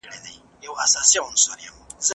ما ته وایه چې ستا په زړه کې کومه پټه هیله ده؟